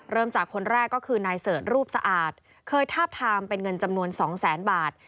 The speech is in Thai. เริ่มจากคนแรกก็คือนายเสิร์ชรูปสะอาดเคยทาบทามเป็นเงินจำนวนสองแสนบาท